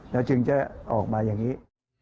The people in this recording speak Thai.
แล้วจึงจะออกมาอย่างนี้